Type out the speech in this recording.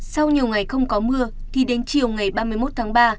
sau nhiều ngày không có mưa thì đến chiều ngày ba mươi một tháng ba